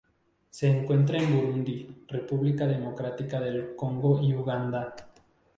Se encuentra en Burundi, República Democrática del Congo y Uganda.